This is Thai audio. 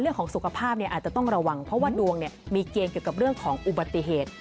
เรื่องของสุขภาพอาจจะต้องระวังเพราะว่าดวงมีเกณฑ์เกี่ยวกับเรื่องของอุบัติเหตุ